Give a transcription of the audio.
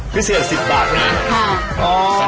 พิเศษ๑๐บาทเลย